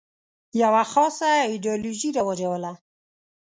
یوه خاصه ایدیالوژي رواجوله.